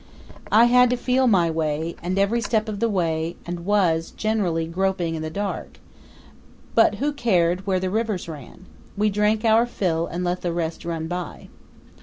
I had to feel my way, and every step of the way, and was, generally, groping in the dark for who cared where the rivers ran? "We drank our fill and let the rest run by."